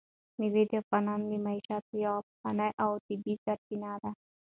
مېوې د افغانانو د معیشت یوه پخوانۍ او طبیعي سرچینه ده.